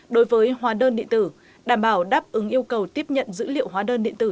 đối với hóa đơn điện tử đảm bảo đáp ứng yêu cầu tiếp nhận dữ liệu hóa đơn điện tử